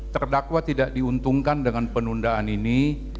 terdakwa tidak diuntungkan dengan penundaan ini